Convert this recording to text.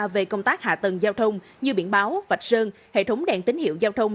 về công tác hạ tầng giao thông như biển báo vạch sơn hệ thống đèn tín hiệu giao thông